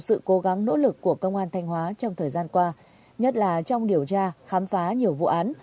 sự cố gắng nỗ lực của công an thanh hóa trong thời gian qua nhất là trong điều tra khám phá nhiều vụ án